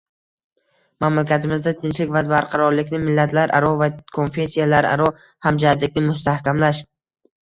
Mamlakatimizda tinchlik va barqarorlikni, millatlararo va konfessiyalararo hamjihatlikni mustahkamlash